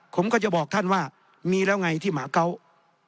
ผมก็จะบอกท่านว่ามีแล้วไงที่หมาเกาะ